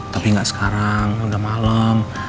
tapi gak sekarang udah malem